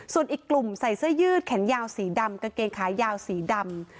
ส่วนอีกกลุ่มใส่เสื้อยืดแขนยาวสีดำกางเกงขายาวสีดำ